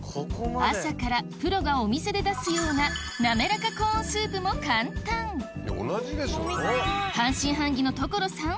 朝からプロがお店で出すような滑らかコーンスープも簡単半信半疑の所さん